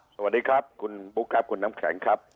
สวัสดีครับคุณบุ๊คครับคุณน้ำแข็งครับ